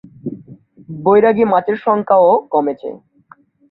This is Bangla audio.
বৈরাগী মাছের সংখ্যাও কমেছে।